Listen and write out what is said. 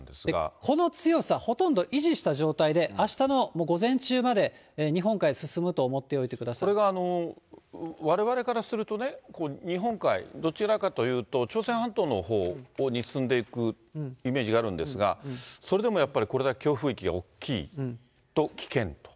この強さ、ほとんど維持した状態で、あしたの午前中まで日本海進むと思ってこれがわれわれからするとね、日本海、どちらかというと、朝鮮半島のほうに進んでいくイメージがあるんですが、それでもやっぱりこれだけ強風域が大きいと危険と？